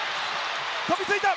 飛びついた！